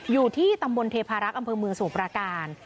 อยู่ที่ตำบลเทพารักษ์อำเภอเมืองสมุทรประการ